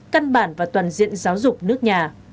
căn bản và toàn diện giáo dục nước nhà